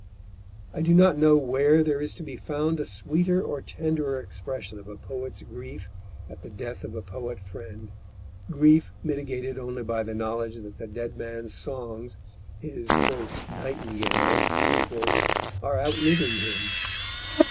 I do not know where there is to be found a sweeter or tenderer expression of a poet's grief at the death of a poet friend, grief mitigated only by the knowledge that the dead man's songs, his "nightingales," are outliving him.